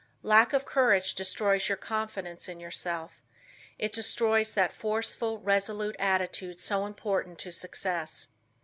Lack of courage destroys your confidence in yourself. It destroys that forceful, resolute attitude so important to success.